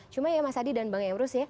cuma ya mas adi dan bang emrus ya